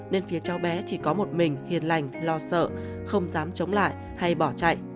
nên phía cháu bé chỉ có một mình hiền lành lo sợ không dám chống lại hay bỏ chạy